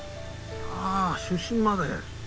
ああ出身まで。